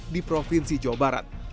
di provinsi jawa barat